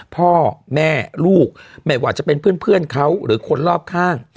พ่อแม่ลูกไม่ว่าจะเป็นเพื่อนเขาหรือคนรอบข้าง